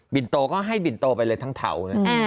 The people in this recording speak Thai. บินโต๊ะก็ให้บินโต๊ะไปเลยทั้งเถา